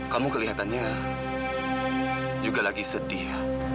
kamu kelihatannya juga lagi sedih